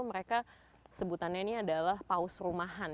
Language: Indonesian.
mereka sebutannya ini adalah paus rumahan